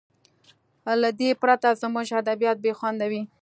له ده پرته زموږ ادبیات بې خونده وي.